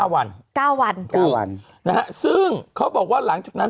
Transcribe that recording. ๙วันครูนะครับซึ่งเขาบอกว่าหลังจากนั้น